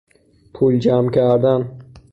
پول جمع کردن